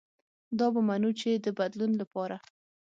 دا به منو چې د بدلون له پاره